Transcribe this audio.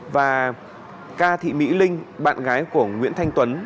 và ca thị mỹ linh bạn gái của nguyễn thanh tuấn